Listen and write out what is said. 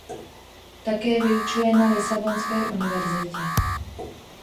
Také vyučuje na Lisabonské univerzitě.